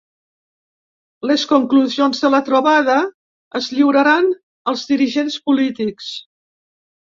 Les conclusions de la trobada es lliuraran als dirigents polítics.